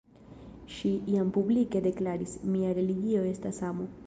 Ŝi jam publike deklaris, «mia religio estas amo».